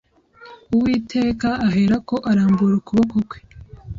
Uwiteka aherako arambura ukuboko kwe